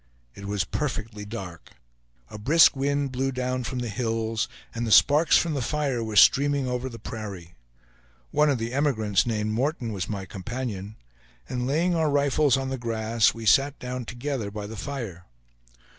It was perfectly dark. A brisk wind blew down from the hills, and the sparks from the fire were streaming over the prairie. One of the emigrants, named Morton, was my companion; and laying our rifles on the grass, we sat down together by the fire.